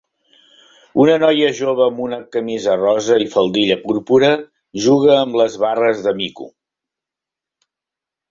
Una noia jove amb una camisa rosa i faldilla púrpura juga amb les barres de mico.